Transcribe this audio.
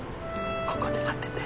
ここで待ってて。